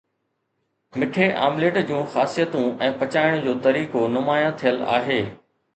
مٺي omelette جون خاصيتون ۽ پچائڻ جو طريقو نمايان ٿيل آهي